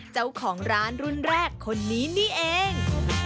เจ้าของร้านรุ่นแรกคนนี้นี่เอง